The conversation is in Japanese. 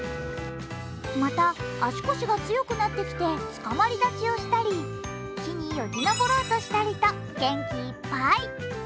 また、足腰が強くなってきてつかまり立ちをしたり、木によじ登ろうとしたりと、元気いっぱい。